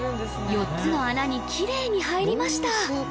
４つの穴にきれいに入りました